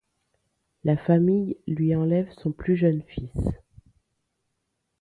La famille lui enlève son plus jeune fils.